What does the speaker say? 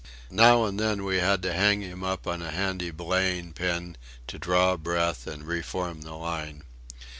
Now and then we had to hang him up on a handy belaying pin, to draw a breath and reform the line.